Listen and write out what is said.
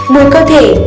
mùi cơ thể